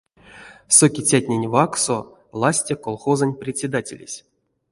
Сокицятнень вакссо ласте колхозонь председателесь.